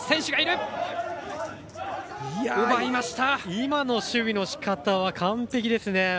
今の守備のしかたは、完璧ですね。